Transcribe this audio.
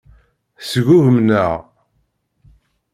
Sgugmen-aɣ.